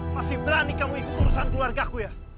masih berani kamu ikut urusan keluarga aku ya